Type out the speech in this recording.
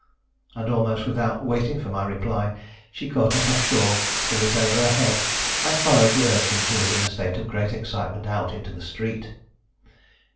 And almost without waiting for my reply, she caught up a shawl, threw it over her head, and followed the urchin, who was in a state of great excitement, out into the street.